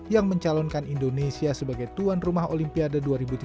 yang mencalonkan indonesia sebagai tuan rumah olimpiade dua ribu tiga puluh enam